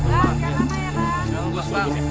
jangan luas bang